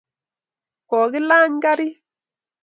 kokilany karit